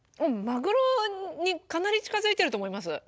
マグロにかなり近づいてると思います